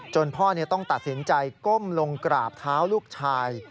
พ่อต้องตัดสินใจก้มลงกราบเท้าลูกชาย